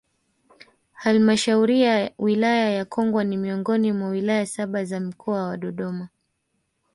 Halmashauriya Wilaya ya Kongwa ni miongoni mwa wilaya saba za mkoa wa Dodoma